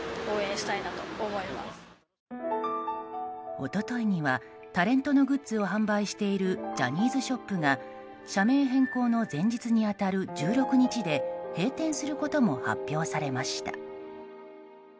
一昨日にはタレントのグッズを販売しているジャニーズショップが社名変更の前日に当たる１６日で閉店することも発表されました。